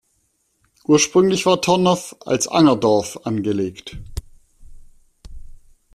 Ursprünglich war Tornow als Angerdorf angelegt.